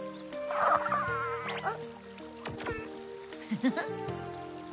フフフっ。